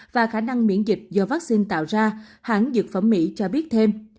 và khả năng miễn dịch do vắc xin tạo ra hãng dược phẩm mỹ cho biết thêm